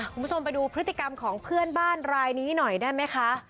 คุณผู้ชมไปดูพฤติกรรมของเพื่อนบ้านรายนี้หน่อยได้ไหมคะ